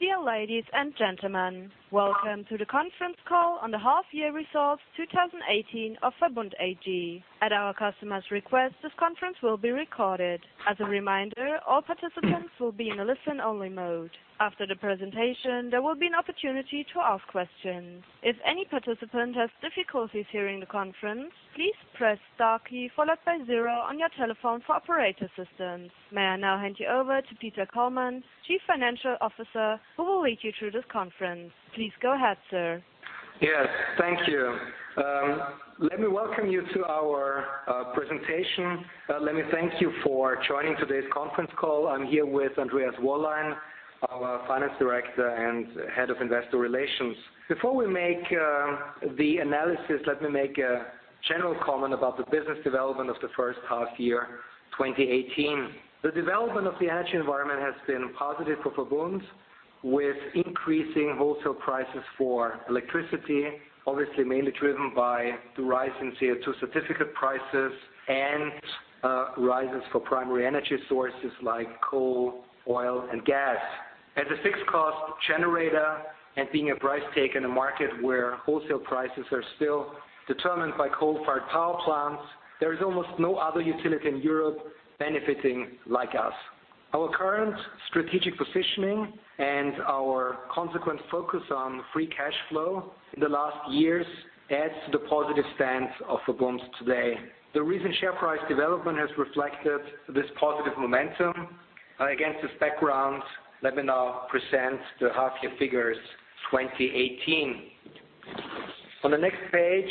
Dear ladies and gentlemen, welcome to the conference call on the half year results 2018 of VERBUND AG. At our customer's request, this conference will be recorded. As a reminder, all participants will be in a listen-only mode. After the presentation, there will be an opportunity to ask questions. If any participant has difficulties hearing the conference, please press star key followed by 0 on your telephone for operator assistance. May I now hand you over to Peter Kollmann, Chief Financial Officer, who will lead you through this conference. Please go ahead, sir. Yes, thank you. Let me welcome you to our presentation. Let me thank you for joining today's conference call. I'm here with Andreas Wollein, our Finance Director and Head of Investor Relations. Before we make the analysis, let me make a general comment about the business development of the first half year 2018. The development of the energy environment has been positive for VERBUND, with increasing wholesale prices for electricity, obviously mainly driven by the rise in CO2 certificate prices and rises for primary energy sources like coal, oil and gas. As a fixed cost generator and being a price taker in a market where wholesale prices are still determined by coal-fired power plants, there is almost no other utility in Europe benefiting like us. Our current strategic positioning and our consequent focus on free cash flow in the last years adds to the positive stance of VERBUND today. The recent share price development has reflected this positive momentum. Against this background, let me now present the half year figures 2018. On the next page,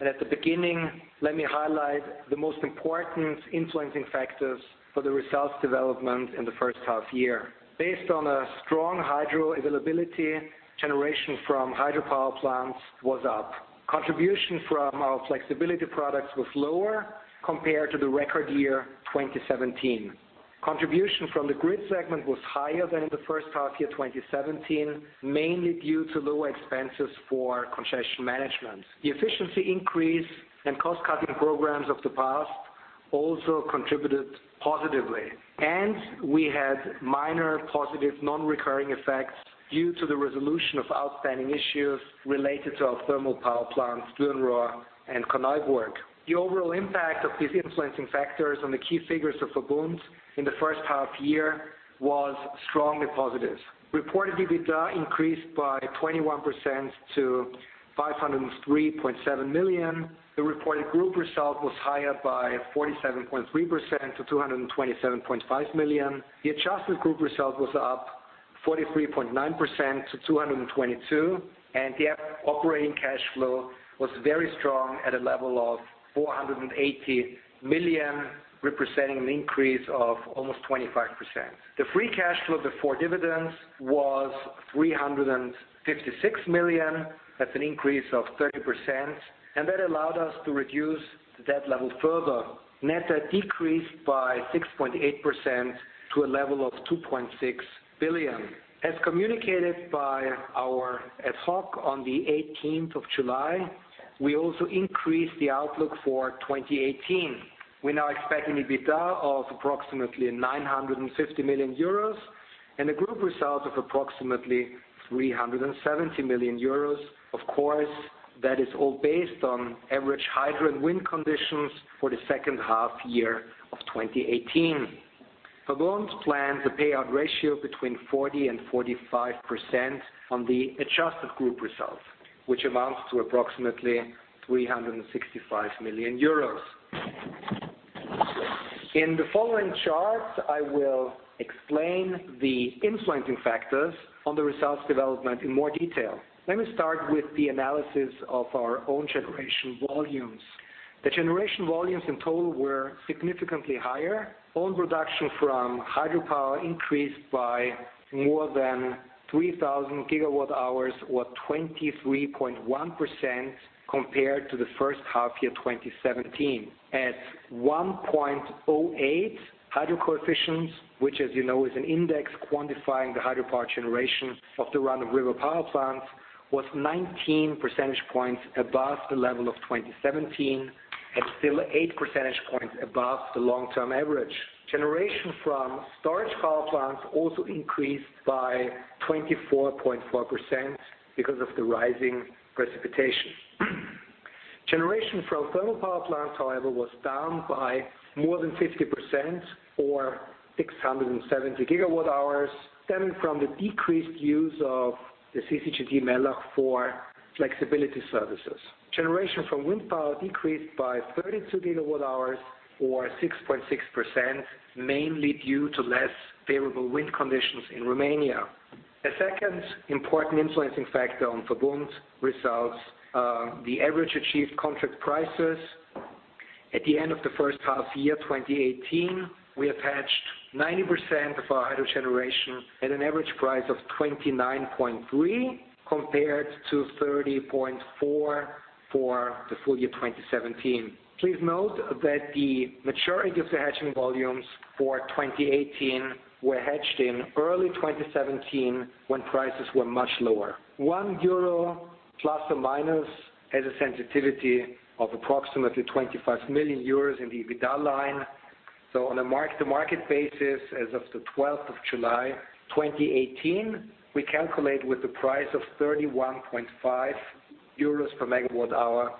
and at the beginning, let me highlight the most important influencing factors for the results development in the first half year. Based on a strong hydro availability, generation from hydropower plants was up. Contribution from our flexibility products was lower compared to the record year 2017. Contribution from the grid segment was higher than in the first half year 2017, mainly due to lower expenses for congestion management. The efficiency increase and cost-cutting programs of the past also contributed positively, and we had minor positive non-recurring effects due to the resolution of outstanding issues related to our thermal power plants, Dürnrohr and Korneuburg. The overall impact of these influencing factors on the key figures of VERBUND in the first half year was strongly positive. Reported EBITDA increased by 21% to 503.7 million. The reported group result was higher by 47.3% to 227.5 million. The adjusted group result was up 43.9% to 222 million, and the operating cash flow was very strong at a level of 480 million, representing an increase of almost 25%. The free cash flow before dividends was 356 million. That's an increase of 30%, and that allowed us to reduce the debt level further. Net debt decreased by 6.8% to a level of 2.6 billion. As communicated by our ad hoc on the 18th of July, we also increased the outlook for 2018. We're now expecting EBITDA of approximately 950 million euros and a group result of approximately 370 million euros. Of course, that is all based on average hydro and wind conditions for the second half year of 2018. VERBUND plans a payout ratio between 40% and 45% on the adjusted group results, which amounts to approximately 365 million euros. In the following charts, I will explain the influencing factors on the results development in more detail. Let me start with the analysis of our own generation volumes. The generation volumes in total were significantly higher. Own production from hydropower increased by more than 3,000 gigawatt hours or 23.1% compared to the first half year 2017. At 1.08 hydro coefficients, which as you know, is an index quantifying the hydropower generation of the run-of-river power plants, was 19 percentage points above the level of 2017 and still eight percentage points above the long-term average. Generation from storage power plants also increased by 24.4% because of the rising precipitation. Generation from thermal power plants, however, was down by more than 50% or 670 gigawatt hours stemming from the decreased use of the CCGT Mellach for flexibility services. Generation from wind power decreased by 32 gigawatt hours or 6.6%, mainly due to less favorable wind conditions in Romania. A second important influencing factor on VERBUND results, the average achieved contract prices. At the end of the first half year 2018, we attached 90% of our hydro generation at an average price of 29.3 compared to 30.4 for the full year 2017. Please note that the maturity of the hedging volumes for 2018 were hedged in early 2017 when prices were much lower. One euro ± has a sensitivity of approximately 25 million euros in the EBITDA line. On a mark-to-market basis, as of the 12th of July 2018, we calculate with the price of 31.5 euros per megawatt hour,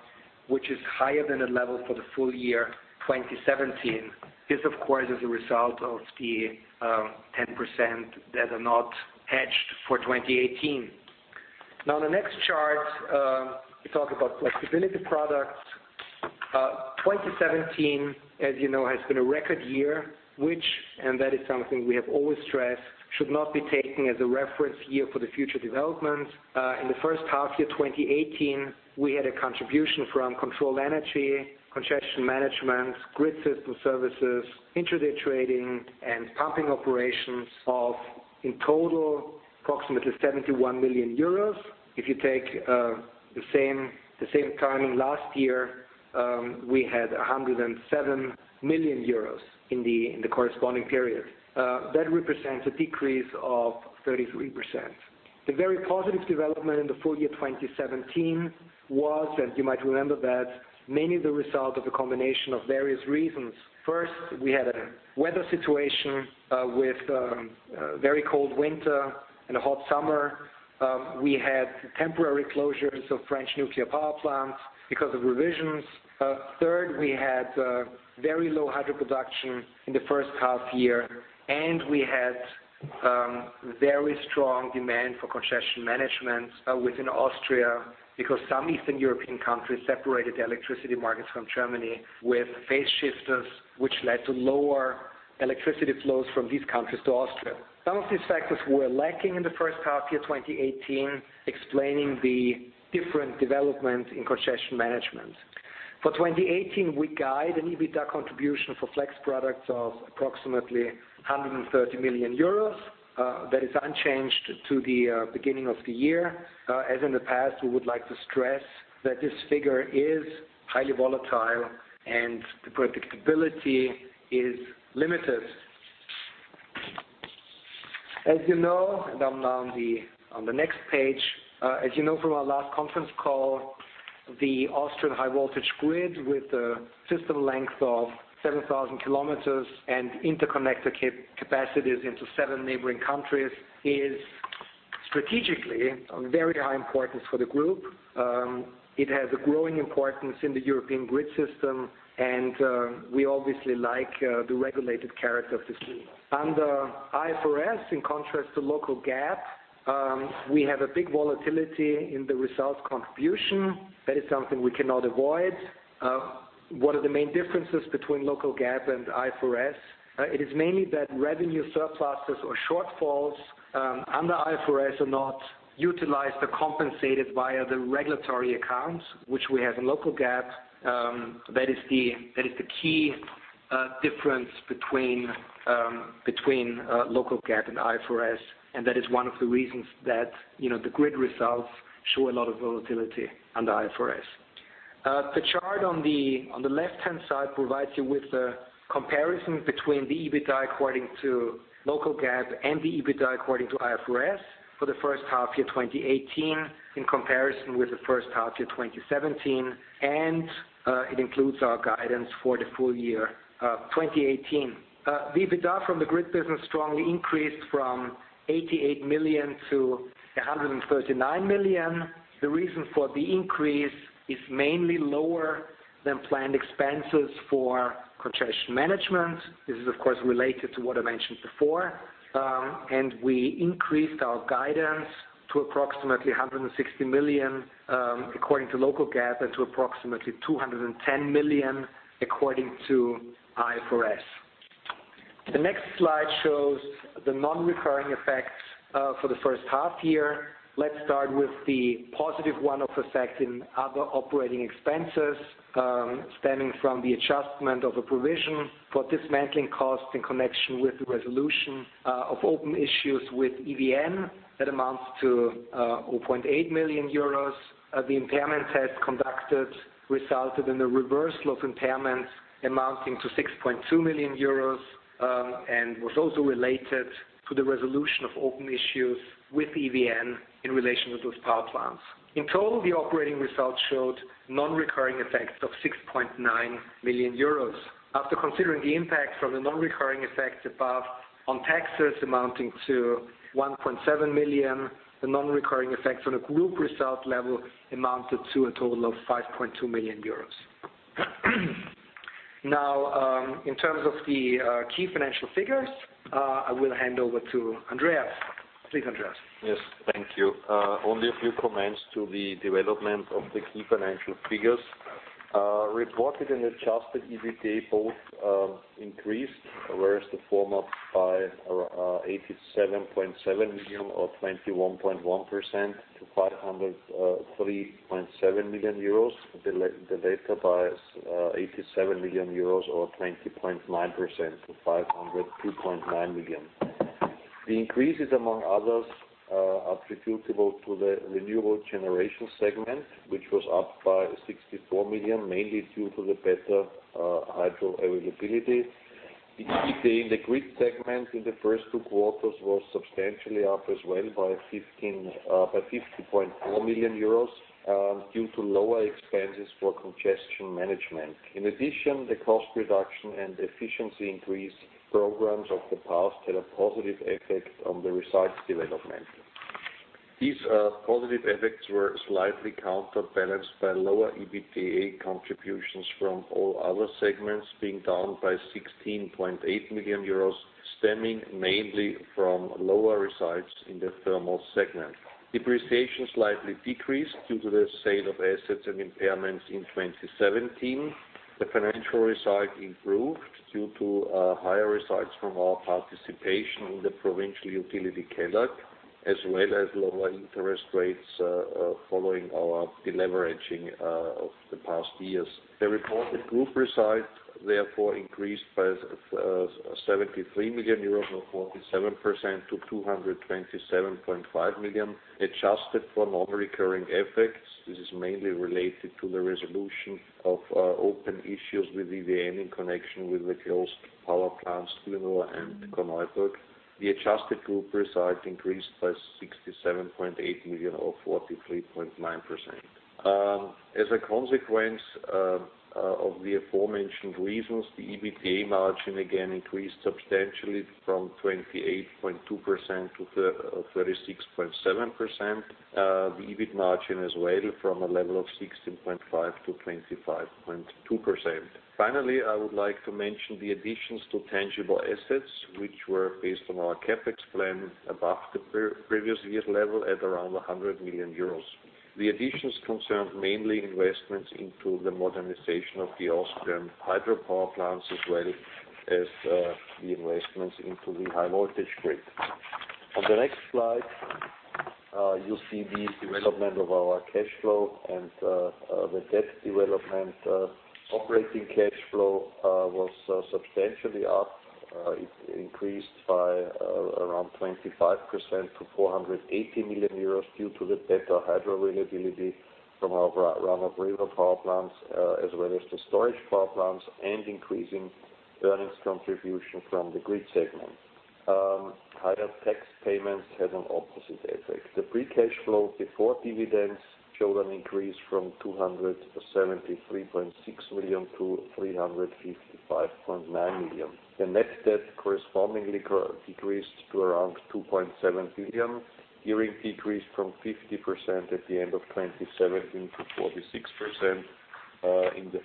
which is higher than the level for the full year 2017. This, of course, is a result of the 10% that are not hedged for 2018. Now, on the next chart, we talk about flexibility products. 2017, as you know, has been a record year, which, and that is something we have always stressed, should not be taken as a reference year for the future development. In the first half year 2018, we had a contribution from control energy, congestion management, grid system services, intraday trading, and pumping operations of, in total, approximately 71 million euros. If you take the same time last year, we had 107 million euros in the corresponding period. That represents a decrease of 33%. The very positive development in the full year 2017 was, and you might remember that, mainly the result of a combination of various reasons. First, we had a weather situation with a very cold winter and a hot summer. We had temporary closures of French nuclear power plants because of revisions. Third, we had very low hydro production in the first half year, and we had very strong demand for congestion management within Austria because some Eastern European countries separated their electricity markets from Germany with phase shifters, which led to lower electricity flows from these countries to Austria. Some of these factors were lacking in the first half year 2018, explaining the different development in congestion management. For 2018, we guide an EBITDA contribution for flex products of approximately 130 million euros. That is unchanged to the beginning of the year. As in the past, we would like to stress that this figure is highly volatile, the predictability is limited. As you know, I'm now on the next page. As you know from our last conference call, the Austrian high voltage grid, with a system length of 7,000 kilometers and interconnector capacities into seven neighboring countries, is strategically of very high importance for the group. It has a growing importance in the European grid system, we obviously like the regulated character of the system. Under IFRS, in contrast to local GAAP, we have a big volatility in the results contribution. That is something we cannot avoid. One of the main differences between local GAAP and IFRS, it is mainly that revenue surpluses or shortfalls under IFRS are not utilized or compensated via the regulatory accounts, which we have in local GAAP. That is the key difference between local GAAP and IFRS, that is one of the reasons that the grid results show a lot of volatility under IFRS. The chart on the left-hand side provides you with a comparison between the EBITDA according to local GAAP and the EBITDA according to IFRS for the first half year 2018 in comparison with the first half year 2017, it includes our guidance for the full year 2018. The EBITDA from the grid business strongly increased from 88 million to 139 million. The reason for the increase is mainly lower than planned expenses for congestion management. This is, of course, related to what I mentioned before. We increased our guidance to approximately 160 million according to local GAAP and to approximately 210 million according to IFRS. The next slide shows the non-recurring effects for the first half year. Let's start with the positive one-off effect in other operating expenses stemming from the adjustment of a provision for dismantling costs in connection with the resolution of open issues with EVN. That amounts to €0.8 million. The impairment test conducted resulted in a reversal of impairment amounting to €6.2 million, was also related to the resolution of open issues with EVN in relation with those power plants. In total, the operating results showed non-recurring effects of €6.9 million. After considering the impact from the non-recurring effects above on taxes amounting to 1.7 million, the non-recurring effects on a group result level amounted to a total of €5.2 million. Now, in terms of the key financial figures, I will hand over to Andreas. Please, Andreas. Yes, thank you. Only a few comments to the development of the key financial figures. Reported and adjusted EBITDA both increased, whereas the former by €87.7 million or 21.1% to €503.7 million, the latter by €87 million or 20.9% to 502.9 million. The increases, among others, are attributable to the renewable generation segment, which was up by 64 million, mainly due to the better hydro availability. The EBITDA in the Grid segment in the first two quarters was substantially up as well by 15.4 million euros due to lower expenses for congestion management. In addition, the cost reduction and efficiency increase programs of the past had a positive effect on the results development. These positive effects were slightly counterbalanced by lower EBITDA contributions from all other segments being down by 16.8 million euros, stemming mainly from lower results in the Thermal segment. Depreciation slightly decreased due to the sale of assets and impairments in 2017. The financial result improved due to higher results from our participation in the provincial utility KELAG, as well as lower interest rates following our deleveraging of the past years. The reported group result therefore increased by 73 million euros or 47% to 227.5 million. Adjusted for non-recurring effects, this is mainly related to the resolution of open issues with EVN in connection with the closed power plants, Gmünd and Korneuburg. The adjusted group result increased by 67.8 million or 43.9%. As a consequence of the aforementioned reasons, the EBITDA margin again increased substantially from 28.2% to 36.7%. The EBIT margin as well from a level of 16.5% to 25.2%. Finally, I would like to mention the additions to tangible assets, which were based on our CapEx plan above the previous year's level at around 100 million euros. The additions concerned mainly investments into the modernization of the Austrian hydropower plants, as well as the investments into the high voltage grid. On the next slide, you see the development of our cash flow and the debt development. Operating cash flow was substantially up. It increased by around 25% to 480 million euros due to the better hydro availability from our run-of-river power plants, as well as the storage power plants and increasing earnings contribution from the Grid segment. Higher tax payments had an opposite effect. The free cash flow before dividends showed an increase from 273.6 million to 355.9 million. The net debt correspondingly decreased to around 2.7 billion, gearing decreased from 50% at the end of 2017 to 46% in the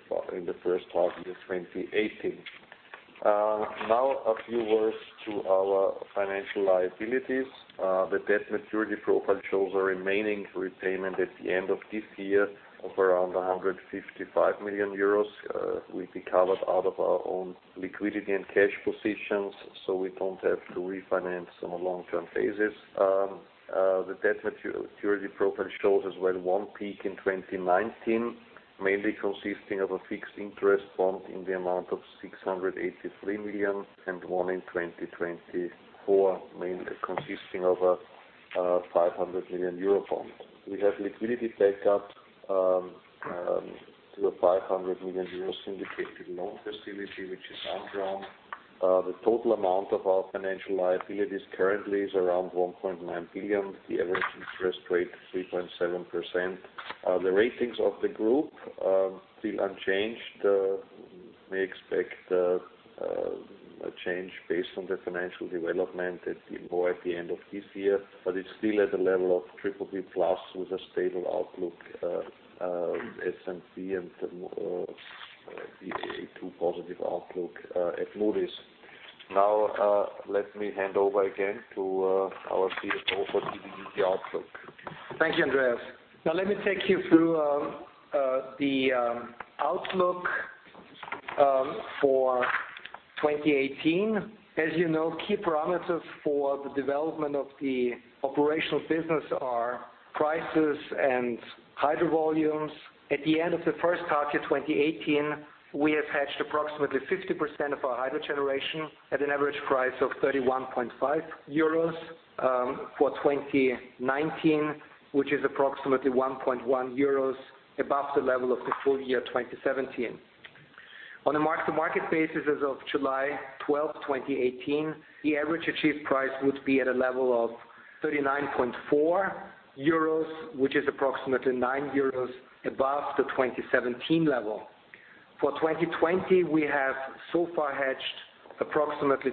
first half year 2018. A few words to our financial liabilities. The debt maturity profile shows a remaining repayment at the end of this year of around 155 million euros, will be covered out of our own liquidity and cash positions. We don't have to refinance on a long-term basis. The debt maturity profile shows as well one peak in 2019, mainly consisting of a fixed interest bond in the amount of 683 million and one in 2024, mainly consisting of a 500 million euro bond. We have liquidity tied up to a 500 million euro syndicated loan facility, which is undrawn. The total amount of our financial liabilities currently is around 1.9 billion. The average interest rate 3.7%. The ratings of the group are still unchanged. We expect a change based on the financial development at the end of this year. It's still at a level of BBB+ with a stable outlook S&P and Baa2 positive outlook at Moody's. Let me hand over again to our CFO for the outlook. Thank you, Andreas. Let me take you through the outlook for 2018. As you know, key parameters for the development of the operational business are prices and hydro volumes. At the end of the first half year 2018, we have hedged approximately 50% of our hydro generation at an average price of 31.5 euros for 2019, which is approximately 1.1 euros above the level of the full year 2017. On a mark-to-market basis as of July 12, 2018, the average achieved price would be at a level of 39.4 euros, which is approximately 9 euros above the 2017 level. For 2020, we have so far hedged approximately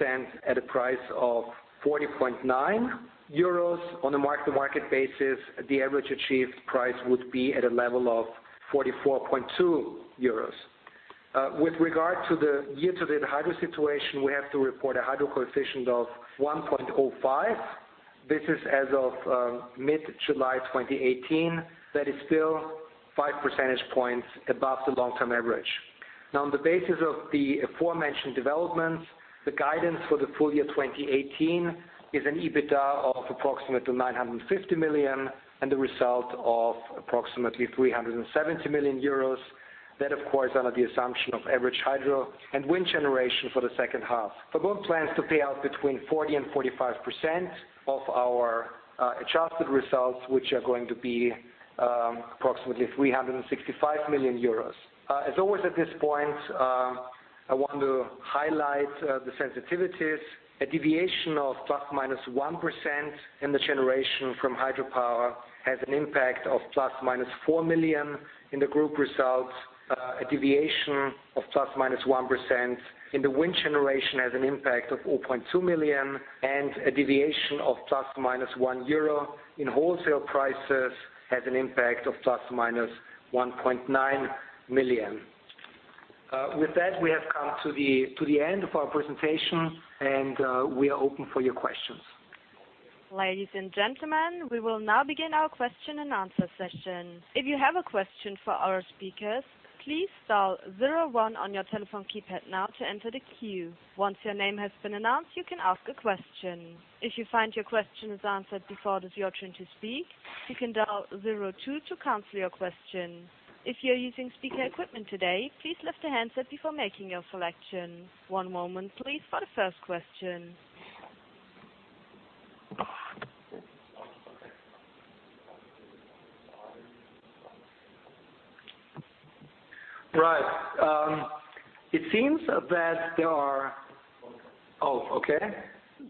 10% at a price of 40.9 euros. On a mark-to-market basis, the average achieved price would be at a level of 44.2 euros. With regard to the year-to-date hydro situation, we have to report a hydro coefficient of 1.05. This is as of mid-July 2018, that is still five percentage points above the long-term average. On the basis of the aforementioned developments, the guidance for the full year 2018 is an EBITDA of approximately 950 million and the result of approximately 370 million euros. That, of course, under the assumption of average hydro and wind generation for the second half. VERBUND plans to pay out between 40%-45% of our adjusted results, which are going to be approximately 365 million euros. As always at this point, I want to highlight the sensitivities. A deviation of +/- 1% in the generation from hydropower has an impact of +/- 4 million in the group results. A deviation of +/- 1% in the wind generation has an impact of 4.2 million, a deviation of +/- 1 euro in wholesale prices has an impact of +/- 1.9 million. With that, we have come to the end of our presentation, we are open for your questions. Ladies and gentlemen, we will now begin our question and answer session. If you have a question for our speakers, please dial zero one on your telephone keypad now to enter the queue. Once your name has been announced, you can ask a question. If you find your question is answered before it is your turn to speak, you can dial zero two to cancel your question. If you're using speaker equipment today, please lift the handset before making your selection. One moment please, for the first question. Right. It seems that there are Oh, okay.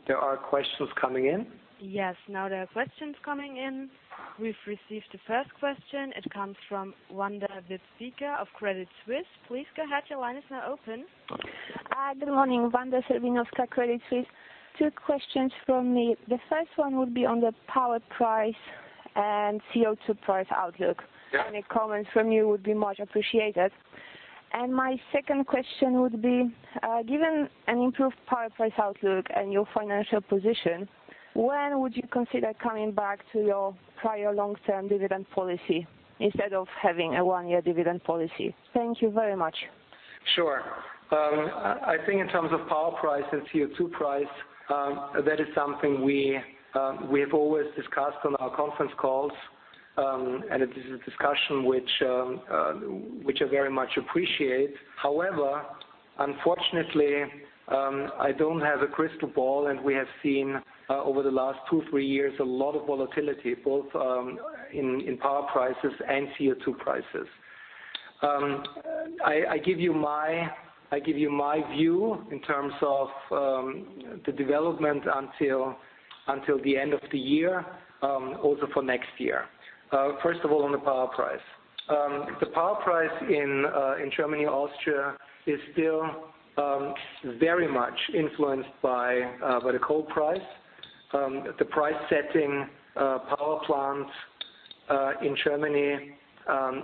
There are questions coming in? Yes. Now there are questions coming in. We've received the first question. It comes from Wanda Serwinowska of Credit Suisse. Please go ahead. Your line is now open. Hi. Good morning. Wanda Serwinowska, Credit Suisse. Two questions from me. The first one would be on the power price and CO2 price outlook. Yeah. Any comments from you would be much appreciated. My second question would be, given an improved power price outlook and your financial position, when would you consider coming back to your prior long-term dividend policy instead of having a one-year dividend policy? Thank you very much. Sure. I think in terms of power price and CO2 price, that is something we have always discussed on our conference calls, and it is a discussion which I very much appreciate. However, unfortunately, I don't have a crystal ball, and we have seen over the last two, three years a lot of volatility both in power prices and CO2 prices. I give you my view in terms of the development until the end of the year, also for next year. First of all, on the power price. The power price in Germany, Austria, is still very much influenced by the coal price. The price-setting power plants in Germany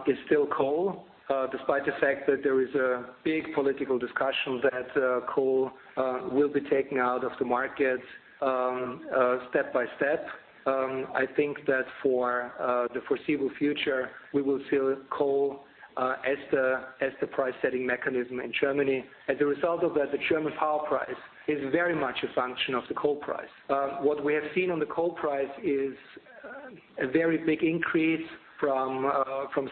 is still coal, despite the fact that there is a big political discussion that coal will be taken out of the market step by step. I think that for the foreseeable future, we will see coal as the price-setting mechanism in Germany. As a result of that, the German power price is very much a function of the coal price. What we have seen on the coal price is a very big increase from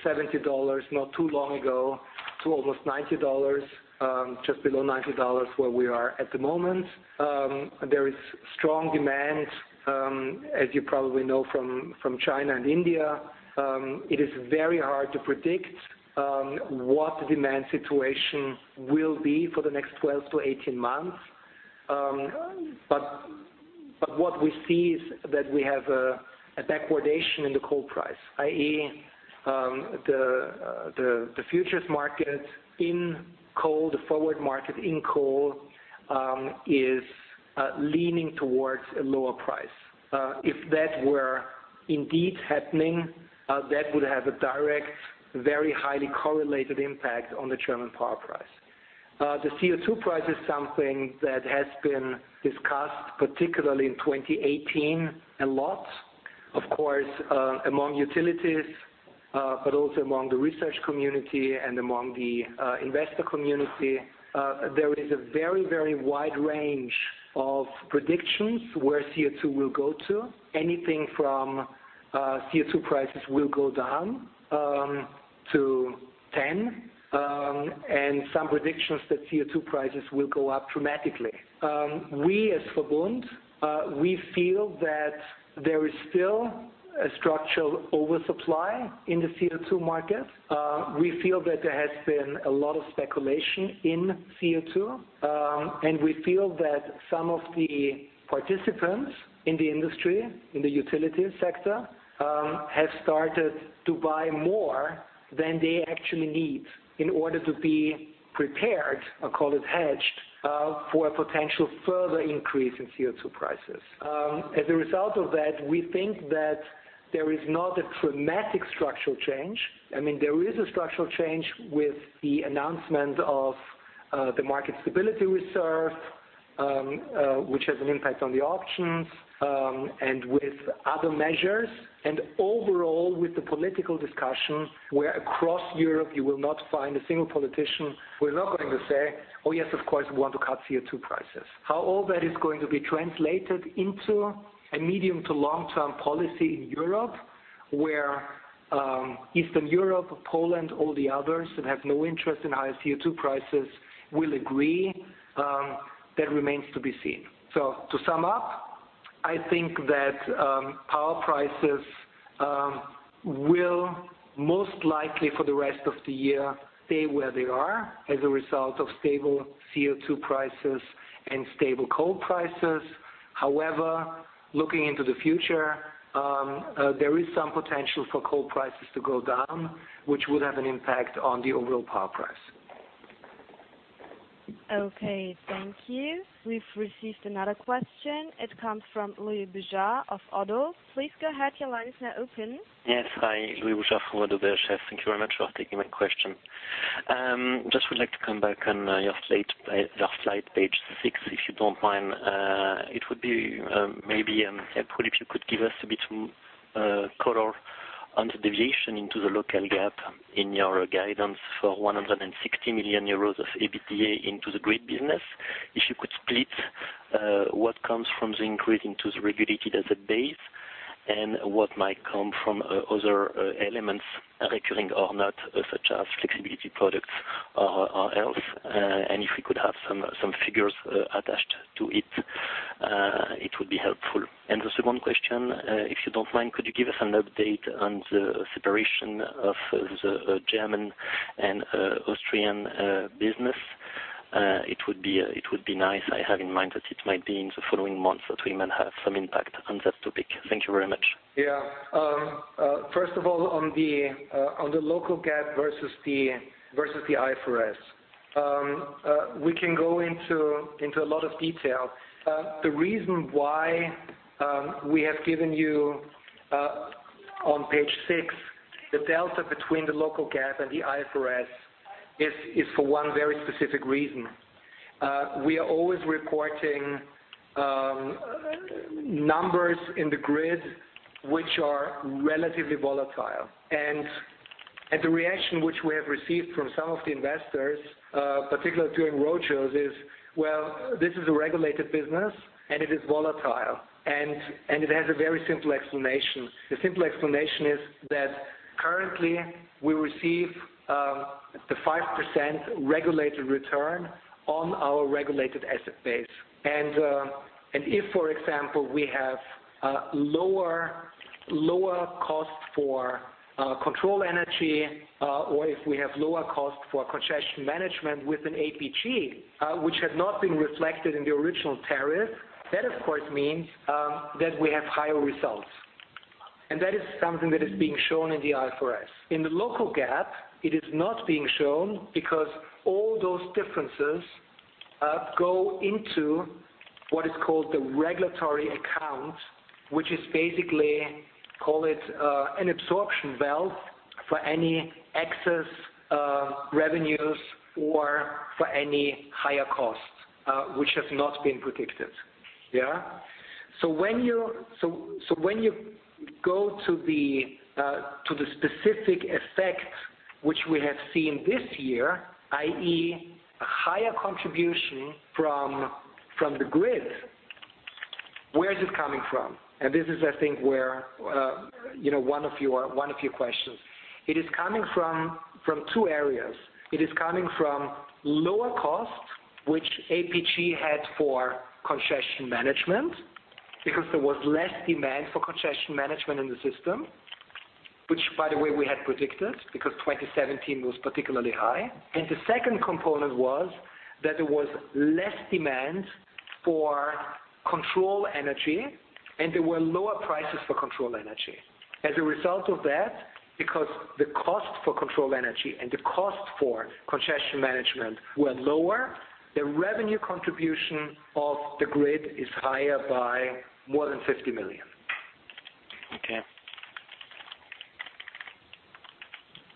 $70 not too long ago, to almost $90, just below $90, where we are at the moment. There is strong demand, as you probably know, from China and India. It is very hard to predict what the demand situation will be for the next 12 to 18 months. What we see is that we have a backwardation in the coal price, i.e., the futures market in coal, the forward market in coal, is leaning towards a lower price. If that were indeed happening, that would have a direct, very highly correlated impact on the German power price. The CO2 price is something that has been discussed, particularly in 2018, a lot. Of course, among utilities, but also among the research community and among the investor community. There is a very wide range of predictions where CO2 will go to. Anything from CO2 prices will go down to 10, and some predictions that CO2 prices will go up dramatically. We as VERBUND, we feel that there is still a structural oversupply in the CO2 market. We feel that there has been a lot of speculation in CO2. We feel that some of the participants in the industry, in the utilities sector, have started to buy more than they actually need in order to be prepared, or call it hedged, for a potential further increase in CO2 prices. As a result of that, we think that there is not a dramatic structural change. There is a structural change with the announcement of the market stability reserve, which has an impact on the options, and with other measures. Overall, with the political discussion, where across Europe you will not find a single politician who is not going to say, "Oh, yes, of course, we want to cut CO2 prices." How all that is going to be translated into a medium to long-term policy in Europe Where Eastern Europe, Poland, all the others that have no interest in higher CO2 prices will agree, that remains to be seen. To sum up, I think that power prices will most likely for the rest of the year stay where they are as a result of stable CO2 prices and stable coal prices. However, looking into the future, there is some potential for coal prices to go down, which would have an impact on the overall power price. Okay, thank you. We've received another question. It comes from Louis Boujard of Oddo. Please go ahead, your line is now open. Yes. Hi, Louis Boujard from Oddo BHF. Thank you very much for taking my question. Just would like to come back on your slide page six, if you don't mind. It would be maybe helpful if you could give us a bit more color on the deviation into the local GAAP in your guidance for 160 million euros of EBITDA into the grid business. If you could split what comes from the increase into the regulated asset base, and what might come from other elements, recurring or not, such as flexibility products or else. If we could have some figures attached to it would be helpful. The second question, if you don't mind, could you give us an update on the separation of the German and Austrian business? It would be nice. I have in mind that it might be in the following months that we might have some impact on that topic. Thank you very much. First of all, on the local GAAP versus the IFRS. We can go into a lot of detail. The reason why we have given you, on page six, the delta between the local GAAP and the IFRS is for one very specific reason. We are always reporting numbers in the grid which are relatively volatile. The reaction which we have received from some of the investors, particularly during roadshows, is, well, this is a regulated business, and it is volatile. It has a very simple explanation. The simple explanation is that currently we receive the 5% regulated return on our regulated asset base. If, for example, we have a lower cost for control energy, or if we have lower cost for congestion management with an APG, which had not been reflected in the original tariff, that, of course, means that we have higher results. That is something that is being shown in the IFRS. In the local GAAP, it is not being shown because all those differences go into what is called the regulatory account, which is basically, call it an absorption valve for any excess revenues or for any higher costs, which have not been predicted. When you go to the specific effect which we have seen this year, i.e., a higher contribution from the grid, where is it coming from? This is, I think, one of your questions. It is coming from two areas. It is coming from lower costs, which APG had for congestion management, because there was less demand for congestion management in the system, which, by the way, we had predicted, because 2017 was particularly high. The second component was that there was less demand for control energy, and there were lower prices for control energy. As a result of that, because the cost for control energy and the cost for congestion management were lower, the revenue contribution of the grid is higher by more than 50 million. Okay.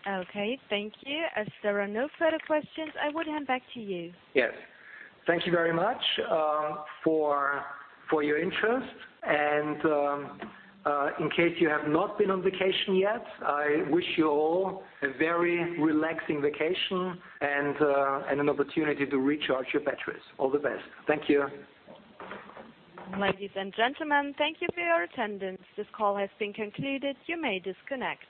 Okay, thank you. As there are no further questions, I would hand back to you. Yes. Thank you very much for your interest. In case you have not been on vacation yet, I wish you all a very relaxing vacation and an opportunity to recharge your batteries. All the best. Thank you. Ladies and gentlemen, thank you for your attendance. This call has been concluded. You may disconnect.